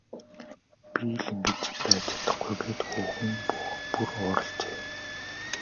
Би л ингэж байж чадахгүй гээд хүүхэн бүр уурлажээ.